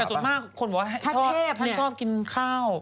แต่ส่วนมากคนบอกว่าท่านชอบกินข้าว